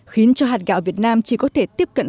khiến cho hạt gạo việt nam chỉ có thể tiếp cận